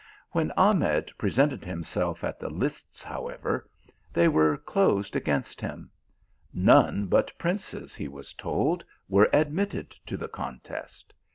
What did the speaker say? When Ahmed presented himself at the lists, how ever, they were closed against him ; none but princes, he was told, were admitted to the contest.